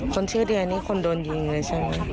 คนชื่อเดือนนี่คนโดนยิงเลยใช่ไหม